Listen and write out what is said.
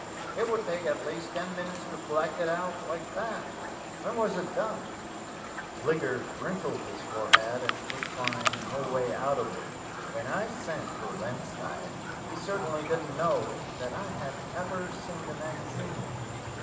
It would take at least ten minutes to black it out like that. When was it done?" Liggers wrinkled his forehead, and could find no way out of it. "When I sent for Langsdyke he cer tainly didn't know that I had ever seen the magazine.